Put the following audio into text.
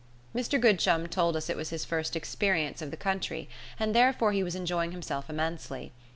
Mr Goodchum told us it was his first experience of the country, and therefore he was enjoying himself immensely.